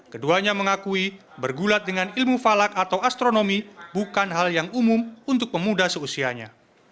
keduanya mengakui bergulat dengan ilmu falak atau astronomi bukan hal yang umum untuk pemuda seusianya